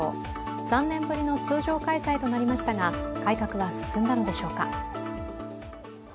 ３年ぶりの通常開催となりましたが改革は進んだのでしょうか。